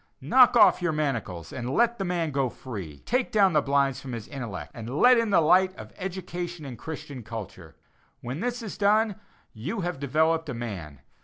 Knock off your manacles and let the man go free. Take down the blinds from his intellect, and let in the light of education and Christian culture. When this is done you have developed a man.